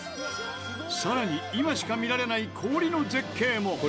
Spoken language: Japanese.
さらに今しか見られない氷の絶景も！